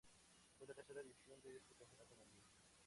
Fue la tercera edición de este campeonato mundial.